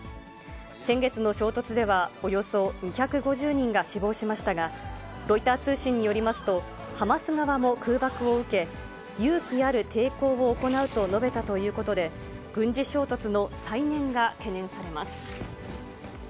先月の衝突では、およそ２５０人が死亡しましたが、ロイター通信によりますと、ハマス側も空爆を受け、勇気ある抵抗を行うと述べたということで、軍事衝突の再燃が懸念されます。